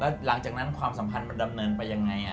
แล้วหลังจากนั้นความสัมพันธ์มันดำเนินไปยังไง